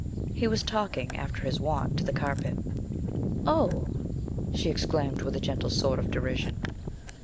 He was talking, after his wont, to the carpet. 'Oh?' she exclaimed, with a gentle sort of derision.